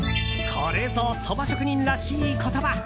これぞ、そば職人らしい言葉。